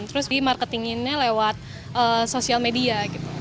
terus di marketinginnya lewat sosial media gitu